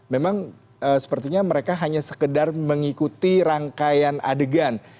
memang sepertinya mereka hanya sekedar mengikuti rangkaian adegan